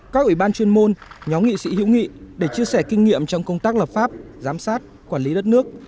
các ủy ban chuyên môn nhóm nghị sĩ hữu nghị để chia sẻ kinh nghiệm trong công tác lập pháp giám sát quản lý đất nước